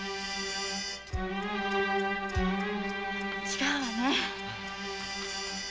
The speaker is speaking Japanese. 違うわね。